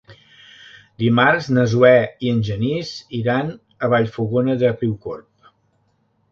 Dimarts na Zoè i en Genís iran a Vallfogona de Riucorb.